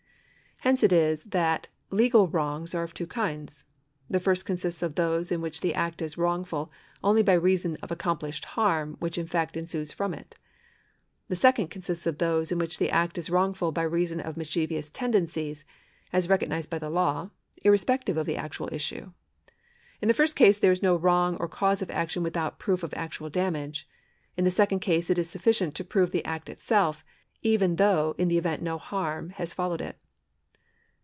Hence it is, that legal wrongs are of two kinds. The first consists of those in which the act is wrongful only by reason of accomplished harm which in fact ensues from it. The second consists of those in which the act is wrongful by reason of its mischievous tendencies, as recog nised bj^ the law, irrespective of the actual issue. In the first case there is no wrong or cause of action without proof of actual damage ; in the second case it is sufficient to prove the act itself, even though in the event no harm has followed it.